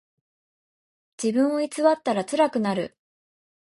自分を偽ったらつらくなる。